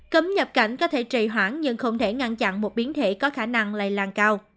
cấm nhập cảnh có thể trì hoãn nhưng không thể ngăn chặn một biến thể có khả năng lây lan cao